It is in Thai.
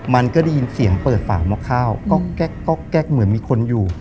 มันก็ได้ยินเสียงเปิดฝาหม้อข้าวก็แก๊กเหมือนมีคนอยู่